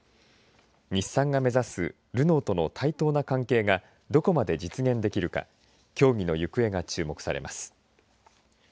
日産が目指すルノーとの対等な関係がどこまで実現できるか協議の行方が注目されます。